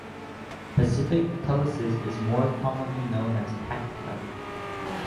Pacific Telesis is more commonly known as PacTel.